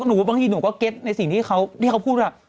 บางทีหนูก็เก็ตในสิ่งที่เขาพูดว่า